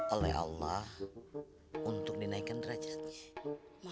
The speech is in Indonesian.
oleh allah untuk dinaikkan derajatnya